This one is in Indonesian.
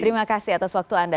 terima kasih atas waktu anda